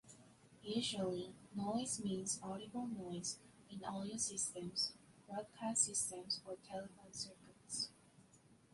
Usually, noise means audible noise, in audio systems, broadcast systems or telephone circuits.